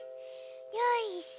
よいしょ。